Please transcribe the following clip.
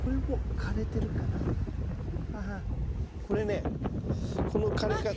これねこの枯れ。